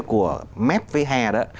của mép với hè đó